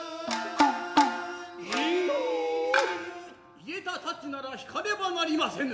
入れた太刀なら引かねばなりませぬ。